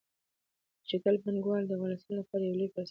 ډیجیټل بانکوالي د افغانستان لپاره یو لوی فرصت دی۔